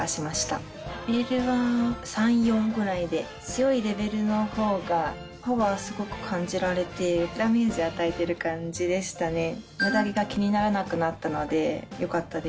強いレベルのほうがパワーすごく感じられてダメージ与えてる感じでしたね。